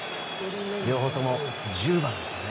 両方とも１０番ですね。